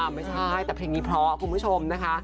อ่าไม่ใช่แต่เพลงนี้พอคุณผู้ชมนะคะ